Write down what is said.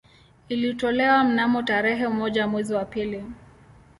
Ilitolewa mnamo tarehe moja mwezi wa pili